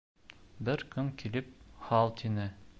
Бер көн килеп «һал» тине.